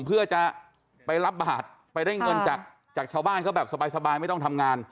เพื่อจะไปรับบาทไปได้เงินจากชาวบ้านเขาแบบสบายไม่ต้องทำงาน